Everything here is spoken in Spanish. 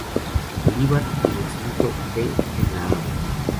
Bolívar y Recinto B en la Ave.